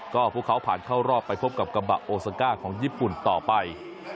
ก็พวกเขาผ่านเข้ารอบไปพบกับกระบะโอซาก้าของญี่ปุ่นต่อไป